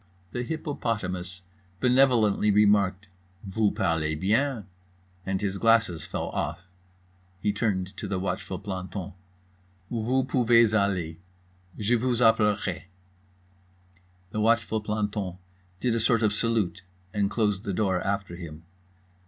The hippopotamus benevolently remarked "Voo parlez bien," and his glasses fell off. He turned to the watchful planton: "Voo poovez aller. Je vooz appelerai." The watchful planton did a sort of salute and closed the door after him.